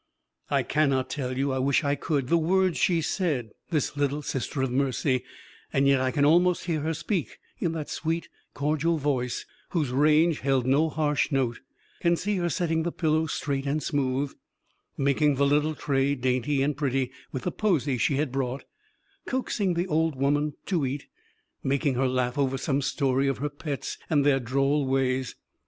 I cannot tell you I wish I could the words she said, this little Sister of Mercy, yet I can almost hear her speak, in that sweet, cordial voice whose range held no harsh note; can see her setting the pillow straight and smooth, making the little tray dainty and pretty with the posy she had brought, coaxing the old woman to eat, making her laugh over some story of her pets and their droll ways.